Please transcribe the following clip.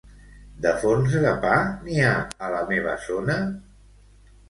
De forns de pa, n'hi ha a la meva zona?